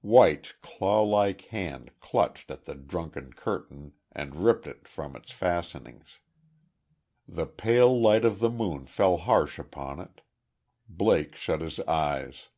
White, claw like hand clutched at the drunken curtain and ripped it from its fastenings. The pale light of the moon fell harsh upon it.... Blake shut his eyes....